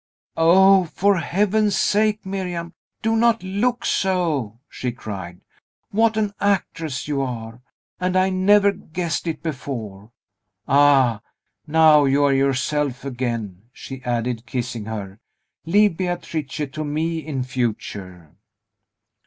"O, for Heaven's sake, Miriam, do not look so!" she cried. "What an actress you are! And I never guessed it before. Ah! now you are yourself again!" she added, kissing her. "Leave Beatrice to me in future."